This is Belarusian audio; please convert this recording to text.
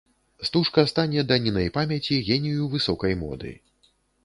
Стужка стане данінай памяці генію высокай моды.